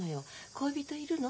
「恋人いるの？」